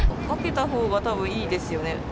分けたほうがたぶん、いいですよね。